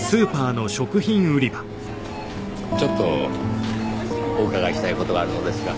ちょっとお伺いしたい事があるのですが。